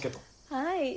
はい。